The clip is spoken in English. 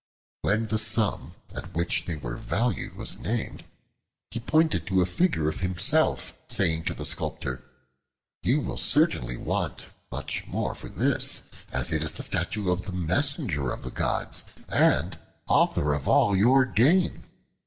When the sum at which they were valued was named, he pointed to a figure of himself, saying to the Sculptor, "You will certainly want much more for this, as it is the statue of the Messenger of the Gods, and author of all your gain."